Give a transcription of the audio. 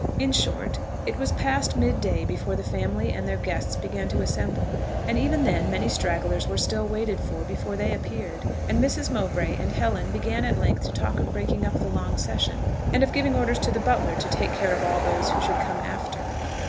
In short ... it was past mid day before the family and their guests began to assemble; and even then many stragglers were still waited for before they appeared, and Mrs. Mowbray and Helen began at length to talk of breaking up the long session, and of giving orders to the butler to take care of all those who should come after.